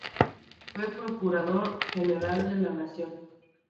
Fue Procurador General de la Nación.